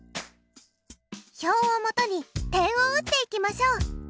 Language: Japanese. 表をもとに点を打っていきましょう。